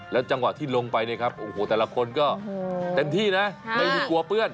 จังหวะที่ลงไปเนี่ยครับโอ้โหแต่ละคนก็เต็มที่นะไม่มีกลัวเปื้อน